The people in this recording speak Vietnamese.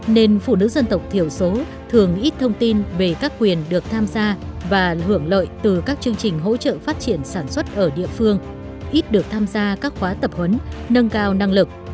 nên phụ nữ dân tộc thiểu số thường ít thông tin về các quyền được tham gia và hưởng lợi từ các chương trình hỗ trợ phát triển sản xuất ở địa phương ít được tham gia các khóa tập huấn nâng cao năng lực